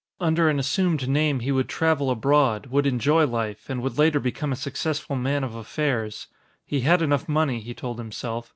Under an assumed name he would travel abroad, would enjoy life, and would later become a successful man of affairs. He had enough money, he told himself.